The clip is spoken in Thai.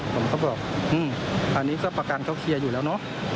ผมก็บอกอันนี้ก็ประกันเขาเคลียร์อยู่แล้วเนอะ